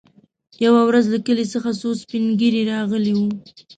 يوه ورځ له کلي څخه څو سپين ږيري راغلي وو.